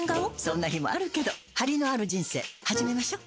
そんな日もあるけどハリのある人生始めましょ。